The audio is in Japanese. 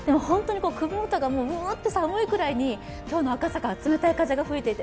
首もとがうっと寒いぐらいに今日の赤坂は冷たい風が吹いていて。